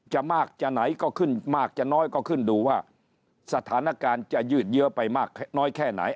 มากจะไหนก็ขึ้นมากจะน้อยก็ขึ้นดูว่าสถานการณ์จะยืดเยอะไปมากน้อยแค่ไหน